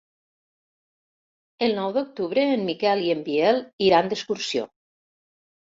El nou d'octubre en Miquel i en Biel iran d'excursió.